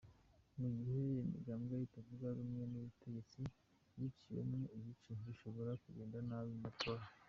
Mu gihe imigambwe itavuga rumwe n'ubutegetsi yiciyemwo imice, bishobora kugenda nabi mu matora.